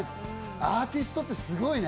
アーティストってすごいね。